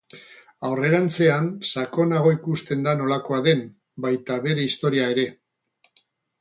Aurrerantzean, sakonago ikusten da nolakoa den, baita bere historia ere.